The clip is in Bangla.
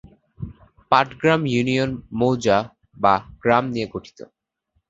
পাটগ্রাম ইউনিয়ন মৌজা/গ্রাম নিয়ে গঠিত।